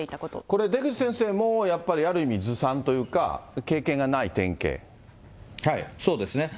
これ、出口先生も、やっぱりある意味、ずさんというか、そうですね。